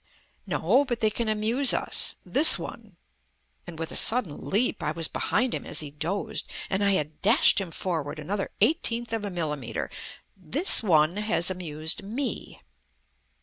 "No, but they can amuse us. This one" and with a sudden leap I was behind him as he dozed, and I had dashed him forward another eighteenth of a millimetre "this one has amused me."